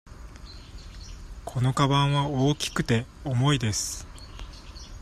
このかばんは大きくて、重いです。